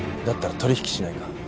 だったら取引しないか？